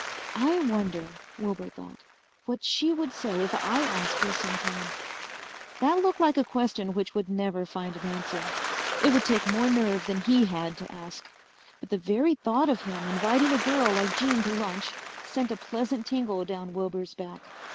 I wonder, Wilbur thought, what she would say if I asked her sometime? That looked like a question which would never find an answer. It would take more nerve than he had to ask. But the very thought of him inviting a girl like Jean to lunch sent a pleasant tingle down Wilbur's back.